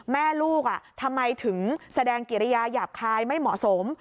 แม่ลูกทำไมถึงแสดงกิริยาหยาบคายไม่เหมาะสม